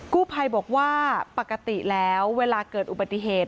กู้ภัยบอกว่าปกติแล้วเวลาเกิดอุบัติเหตุ